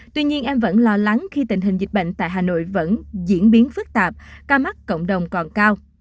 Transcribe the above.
tuy nhiên em vẫn lo lắng khi tình hình dịch bệnh tại hà nội vẫn diễn biến phức tạp ca mắc cộng đồng còn cao